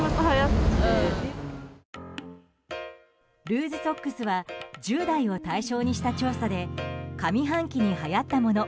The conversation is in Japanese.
ルーズソックスは１０代を対象にした調査で上半期にはやったもの